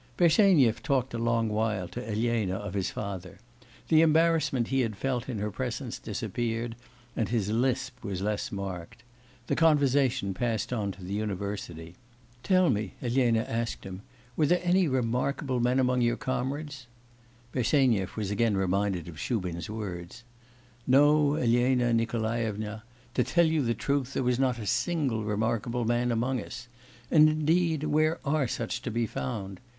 Bersenyev talked a long while to Elena of his father. The embarrassment he had felt in her presence disappeared, and his lisp was less marked. The conversation passed on to the university. 'Tell me,' Elena asked him, 'were there any remarkable men among your comrades?' Bersenyev was again reminded of Shubin's words. 'No, Elena Nikolaevna, to tell you the truth, there was not a single remarkable man among us. And, indeed, where are such to be found!